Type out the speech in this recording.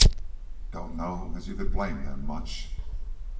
Don't know as you could blame them much."